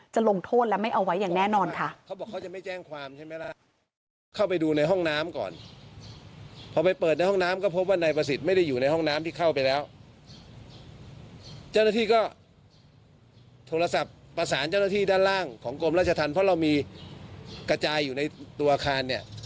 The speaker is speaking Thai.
ลงโทษและไม่เอาไว้อย่างแน่นอนค่ะ